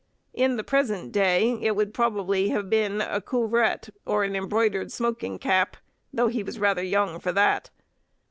In the present day it would probably have been a couvrette, or an embroidered smoking cap, though he was rather young for that.